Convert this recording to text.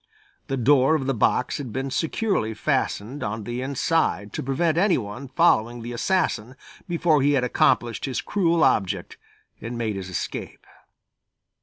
The door of the box had been securely fastened on the inside to prevent anyone following the assassin before he had accomplished his cruel object and made his escape.